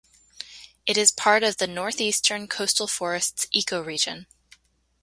It is part of the Northeastern coastal forests ecoregion.